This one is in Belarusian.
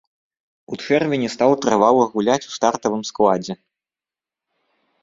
У чэрвені стаў трывала гуляць у стартавым складзе.